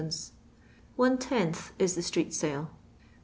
One tenth is the street sale.